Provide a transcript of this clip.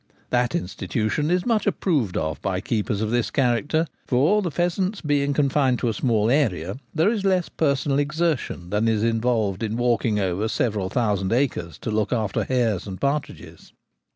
That institution is much approved of by keepers of this character, for, the pheasants being confined to a small area, there is less personal exertion than is involved in walking over several thousand acres to look after hares and partridges.